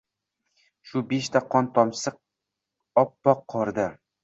Shu beshta qon tomchisi oppoq qorda.